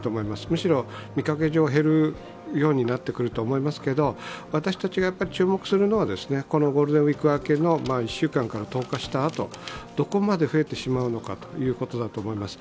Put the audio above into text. むしろ見かけ上、減るようになってくると思いますけど私たちが注目するのは、このゴールデンウイーク明けの１週間から１０日したあと、どこまで増えてしまうのかということだと思います。